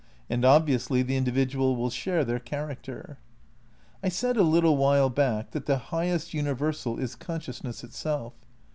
And, obviously, the individual will share their char acter. I said a little while back that the highest universal is consciousness itself.